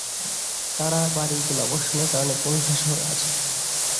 তারা ভারী গোলাবর্ষণের কারণে কোণঠাসা হয়ে আছে।